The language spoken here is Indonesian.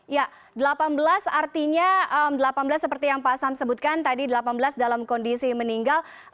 ya delapan belas artinya delapan belas seperti yang pak sam sebutkan tadi delapan belas dalam kondisi meninggal